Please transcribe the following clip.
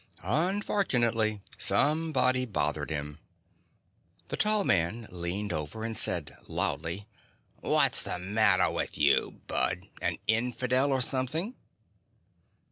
Unfortunately, somebody bothered him. The tall man leaned over and said loudly: "What's the matter with you, bud? An infidel or something?"